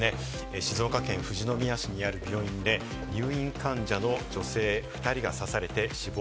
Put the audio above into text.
静岡県富士宮市にある病院で入院患者の女性２人が刺されて死亡。